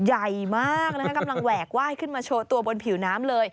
ใหญ่มากนะคะกำลังแหวกไหว้ขึ้นมาโชว์ตัวบนผิวน้ำเลย